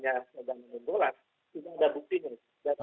tidak ada buktinya